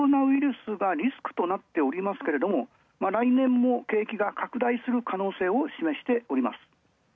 オミクロン型コロナウイルスがリスクとなっていますが来年も景気が拡大する可能性を示しております。